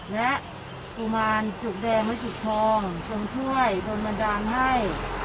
และกุมารจุกแดงและจุกทองทรงช่วยโดนบันดาลให้